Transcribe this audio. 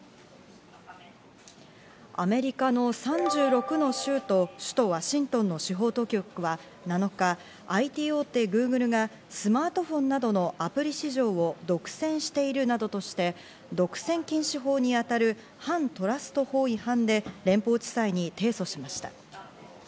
アメリカの３６の州と首都ワシントンの司法当局は、７日、ＩＴ大手Ｇｏｏｇｌｅがスマートフォンなどのアプリ市場を独占しているなどとして、独占禁止法に当たる反トラスト法違反で連邦地裁に提訴しました。